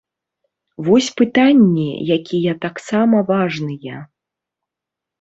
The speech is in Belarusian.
Вось пытанні, якія таксама важныя.